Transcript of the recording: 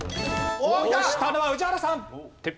押したのは宇治原さん！